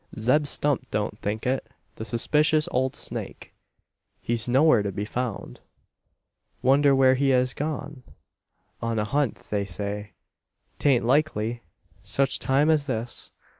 "Zeb Stump don't think it, the suspicious old snake! He's nowhere to be found. Wonder where he has gone? On a hunt, they say. 'Tain't likely, such time as this.